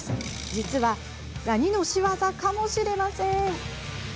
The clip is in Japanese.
実は、ダニの仕業かもしれません。